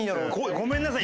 ごめんなさい。